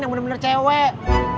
yang bener bener cewek